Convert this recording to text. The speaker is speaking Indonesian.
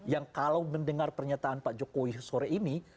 yang kalau mendengar pernyataan pak jokowi sore ini